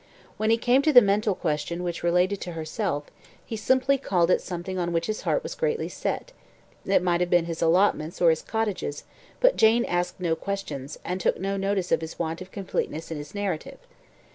When he came to the mental question which related to herself, he simply called it something on which his heart was greatly set it might have been his allotments or his cottages; but Jane asked no questions, and took no notice of his want of completeness in his narrative.